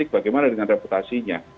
bagaimana dengan reputasinya